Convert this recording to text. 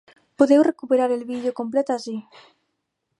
Podeu recuperar el vídeo complet ací.